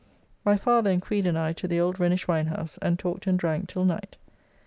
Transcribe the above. My father and Creed and I to the old Rhenish Winehouse, and talked and drank till night.